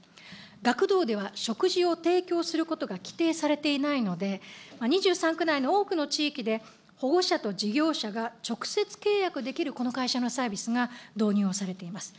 学童では食事を提供することが規定されていないので、２３区内の多くの地域で、保護者と事業者が直接契約できるこの会社のサービスが導入をされています。